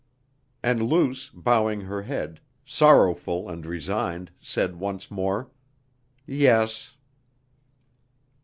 And Luce, bowing her head, sorrowful and resigned, said once more: "Yes."